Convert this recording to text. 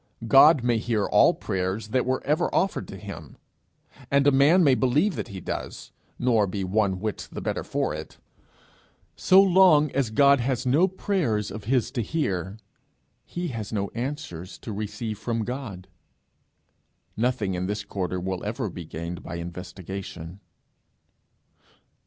God may hear all prayers that ever were offered to him, and a man may believe that he does, nor be one whit the better for it, so long as God has no prayers of his to hear, he no answers to receive from God. Nothing in this quarter will ever be gained by investigation.